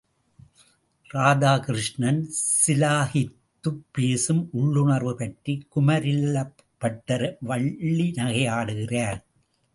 ராதாகிருஷ்ணன் சிலாகித்துப் பேசும் உள்ளுணர்வு பற்றி குமரில்லபட்டர் எள்ளி நகையாடுகிறார்.